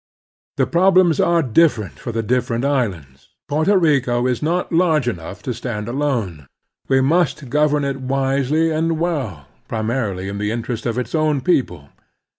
The problems are different for the different islands. Porto Rico is not large enough to stand alone. We must govern it wisely and well, pri marily in the interest of its own people.